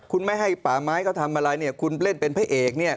คุณไม่ให้ป่าไม้เขาทำอะไรเนี่ยคุณเล่นเป็นพระเอกเนี่ย